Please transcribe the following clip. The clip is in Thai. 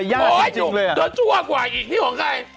ขาวไทยสดขาวไทย